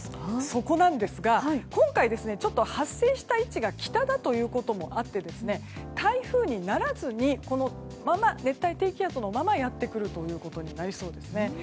そこなんですが今回、ちょっと発生した位置が北だということもあって台風にならずに熱帯低気圧のままやってくるということになりそうですね。